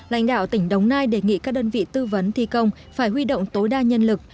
lãnh đạo tỉnh đống nai đề nghị các đơn vị tư vấn thi công phải huy động tối đa nhân lực